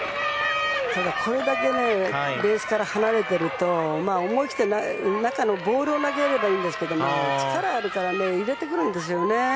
これだけベースから離れていると思い切って中にボールを投げればいいんですけど力があるからね入れてくるんですよね。